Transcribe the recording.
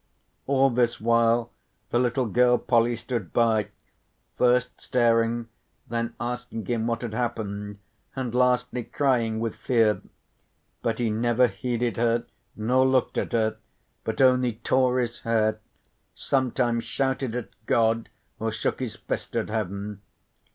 All this while the little girl Polly stood by, first staring, then asking him what had happened, and lastly crying with fear, but he never heeded her nor looked at her but only tore his hair, sometimes shouted at God, or shook his fist at Heaven.